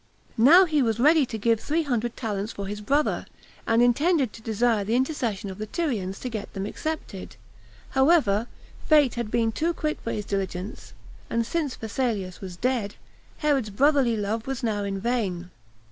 Now he was ready to give three hundred talents for his brother, and intended to desire the intercession of the Tyrians, to get them accepted; however, fate had been too quick for his diligence; and since Phasaelus was dead, Herod's brotherly love was now in vain.